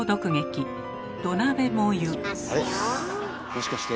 もしかして。